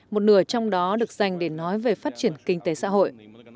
một nửa trong đó được dành để nói về phát triển kinh tế xã hội